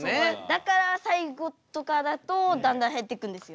だから最後とかだとだんだん減ってくるんですよ。